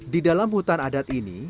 di dalam hutan adat ini